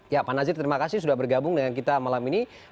ya pak nazir terima kasih sudah bergabung dengan kita malam ini